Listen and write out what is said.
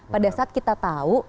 pada saat kita tahu